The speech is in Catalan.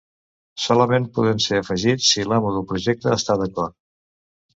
Solament poden ser afegits si l'amo del projecte està d'acord.